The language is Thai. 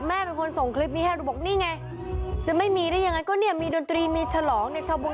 แม่เป็นคนส่งคลิปนี้ให้ดูบอกนี่ไงจะไม่มีได้ยังไงก็เนี่ยมีดนตรีมีฉลองเนี่ยชาวบง